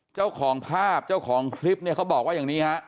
เจ้าของภาพเจ้าของคลิปเนี่ยเขาบอกว่าอย่างนี้ฮะ